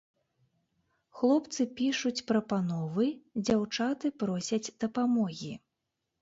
Хлопцы пішуць прапановы, дзяўчаты просяць дапамогі.